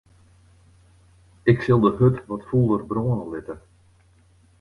Ik sil de hurd wat fûler brâne litte.